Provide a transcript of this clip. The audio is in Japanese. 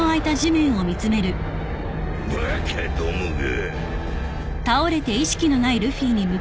バカどもが。